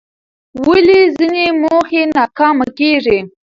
ولې ځینې موخې ناکامه کېږي؟